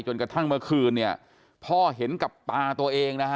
กระทั่งเมื่อคืนเนี่ยพ่อเห็นกับตาตัวเองนะฮะ